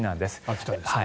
秋田ですね。